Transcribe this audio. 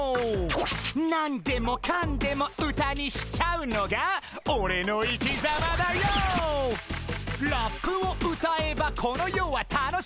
「何でもかんでも歌にしちゃうのがオレの生きざまダＹＯ」「ラップを歌えばこの世は楽し」